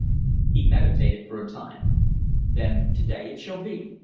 He meditated for a time. "Then to day it shall be.